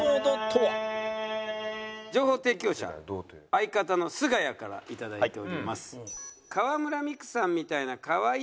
情報提供者相方のすがやからいただいております。